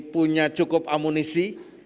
punya cukup amunisi